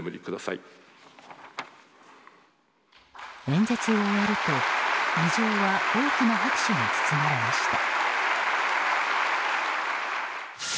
演説を終えると議場は大きな拍手に包まれました。